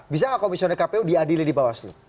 bisa nggak komisioner kpu diadili di bawaslu